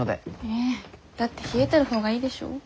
えだって冷えてる方がいいでしょ？